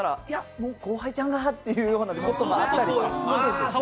もう後輩ちゃんがっていうようなことがあったりとか。